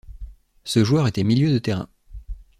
Ce joueur était milieu de terrain.